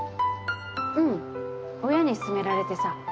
うん親に勧められてさ。